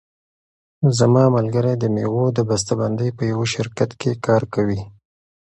زما ملګری د مېوو د بسته بندۍ په یوه شرکت کې کار کوي.